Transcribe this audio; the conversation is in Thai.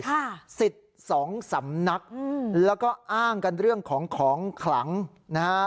สิทธิ์สองสำนักอืมแล้วก็อ้างกันเรื่องของของขลังนะฮะ